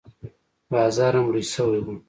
بازار هم لوى سوى و.